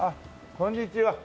こんにちは。